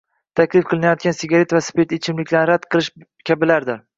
taklif qilinayotgan sigaret va spirtli ichimlikni rad etish kabilardir.